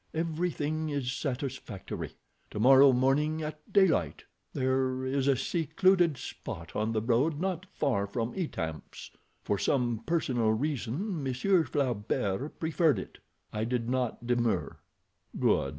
"Everything is satisfactory. Tomorrow morning at daylight—there is a secluded spot on the road not far from Etamps. For some personal reason Monsieur Flaubert preferred it. I did not demur." "Good!"